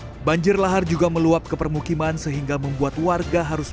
banjir lahar juga meluap ke permukiman sehingga membuat warga harus